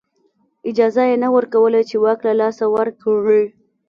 اجازه یې نه ورکوله چې واک له لاسه ورکړي